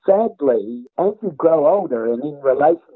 kejahatan setelah anda berkembang dan berhubungan